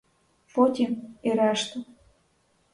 Потім — і решту.